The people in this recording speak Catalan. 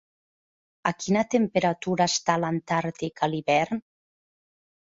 A quina temperatura està l'Antàrtic a l'hivern?